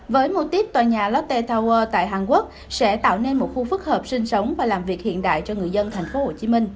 với mô típ tòa nhà lotte tower tại hàn quốc sẽ tạo nên một khu phức hợp sinh sống và làm việc hiện đại cho người dân tp hcm